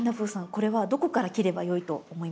これはどこから切ればよいと思いますか？